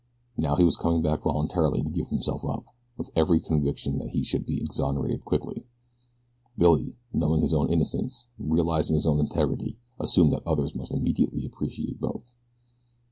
Now he was coming back voluntarily to give himself up, with every conviction that he should be exonerated quickly. Billy, knowing his own innocence, realizing his own integrity, assumed that others must immediately appreciate both.